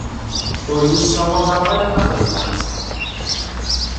Ur yi-ssawaḍ ara alamma xedmeɣ-tt.